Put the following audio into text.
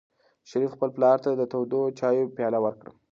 شریف خپل پلار ته د تودو چایو پیاله ورکړه.